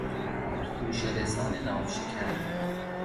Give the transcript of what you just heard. توشهرسان ناوشکن